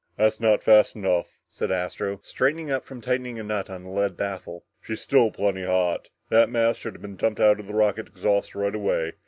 "That's not fast enough," said Astro, straightening up from tightening a nut on the lead baffle. "She's still plenty hot. That mass should have been dumped out of the rocket exhaust right away.